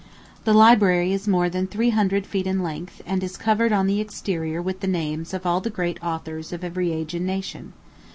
The library is more than three hundred feet in length, and is covered on the exterior with the names of all the great authors of every age and nation.